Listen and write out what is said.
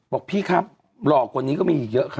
บอกพี่ครับหล่อกว่านี้ก็มีอีกเยอะครับ